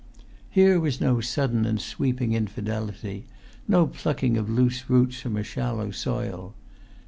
Here was no sudden and sweeping infidelity; no[Pg 213] plucking of loose roots from a shallow soil.